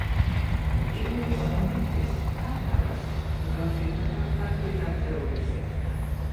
იბერიის მეფეს ფარნავაზს უკავშირდება ქართული დამწერლობის შექმნა